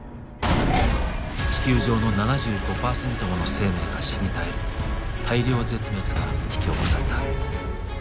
地球上の７５％もの生命が死に絶える大量絶滅が引き起こされた。